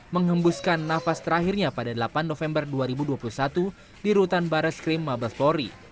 mengembuskan nafas terakhirnya pada delapan november dua ribu dua puluh satu di rutan barres krim mabes polri